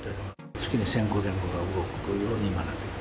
月に１０００個前後が動くように今なってる。